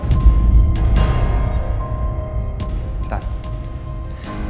tante aku mau